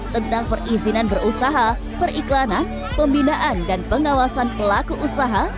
tentang perizinan berusaha periklanan pembinaan dan pengawasan pelaku usaha